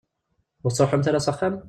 Ur tettruḥumt ara s axxam?